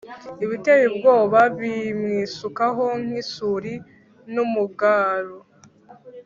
Ibiteye ubwoba bimwisukaho nk isuri N umugaru